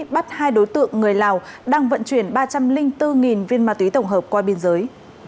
bắt hai đối tượng người lào đang vận chuyển ba trăm linh bốn viên ma túy tổng hợp qua biên giới